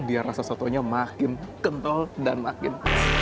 biar rasa sotonya makin kental dan makin